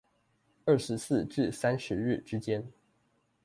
二十四至三十日之間